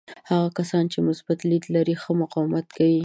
هغه کسان چې مثبت لید لري ښه مقاومت کوي.